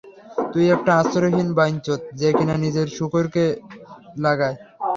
তুই একটা আশ্রয়হীন বাইনচোদ, যে কি-না নিজের শূকরকে লাগায়।